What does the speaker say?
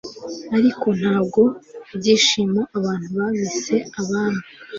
Ariko ntabwo byishimo abantu babise abami